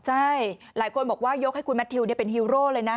ใช่หลายคนบอกว่ายกให้คุณแมททิวเป็นฮีโร่เลยนะ